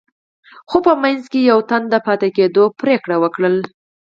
خو په منځ کې يې يوه تن د پاتې کېدو پرېکړه وکړه.